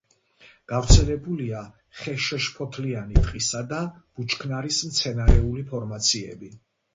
გავრცელებულია ხეშეშფოთლიანი ტყისა და ბუჩქნარის მცენარეული ფორმაციები.